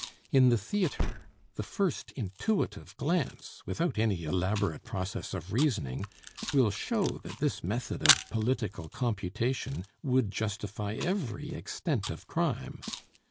In the theatre, the first intuitive glance, without any elaborate process of reasoning, will show that this method of political computation would justify every extent of crime.